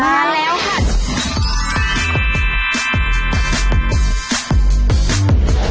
มาแล้วค่ะ